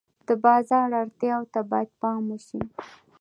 د بازار اړتیاوو ته باید پام وشي.